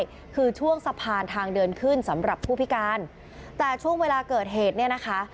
ก็คือช่วงสะพานทางเดินขึ้นสำหรับผู้พิการแต่ช่วงเวลาเกิดเหตุเนี่ยนะคะ